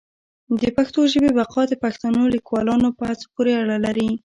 د پښتو ژبي بقا د پښتنو لیکوالانو په هڅو پوري اړه لري.